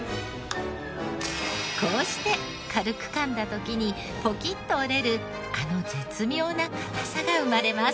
こうして軽く噛んだ時にポキッと折れるあの絶妙な硬さが生まれます。